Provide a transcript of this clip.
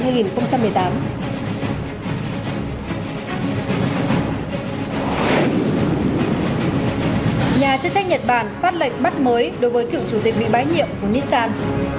nhà chức trách nhật bản phát lệch bắt mới đối với cựu chủ tịch bị bái nhiệm của nissan